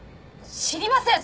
知りません！